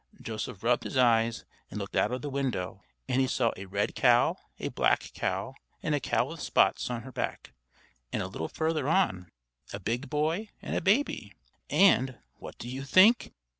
Joseph rubbed his eyes and looked out of the window; and he saw a red cow, a black cow, and a cow with spots on her back; and a little further on, a big boy and a baby; and, what do you think?